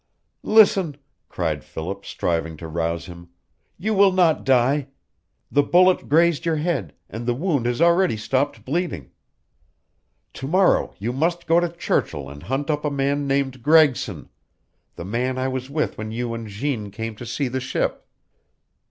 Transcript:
"Listen," cried Philip, striving to rouse him. "You will not die. The bullet grazed your head, and the wound has already stopped bleeding. To morrow you must go to Churchill and hunt up a man named Gregson the man I was with when you and Jeanne came to see the ship.